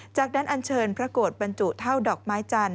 จากนั้นอันเชิญพระโกรธบรรจุเท่าดอกไม้จันท